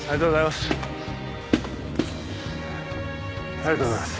ありがとうございます。